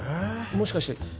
もしかして